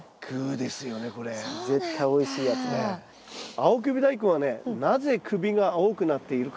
青首ダイコンはねなぜ首が青くなっているか。